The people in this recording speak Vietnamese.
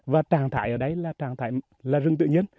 và tràng thải ở đây là rừng tự nhiên